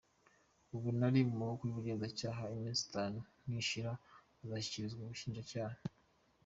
Ubu ari mu maboko y’ubugenzacyaha, iminsi itanu nishira azashyikirizwa ubushinjacyaha.